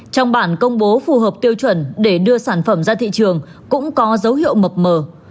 trong bản công bố phù hợp tiêu chuẩn để đưa sản phẩm ra thị trường cũng có dấu hiệu mập mờ